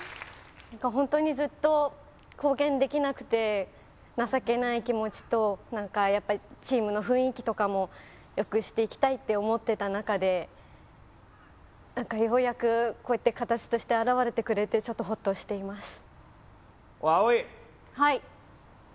ホントにずっと貢献できなくて情けない気持ちと何かやっぱりチームの雰囲気とかもよくしていきたいって思ってた中で何かようやくこうやって形として表れてくれてちょっとホッとしています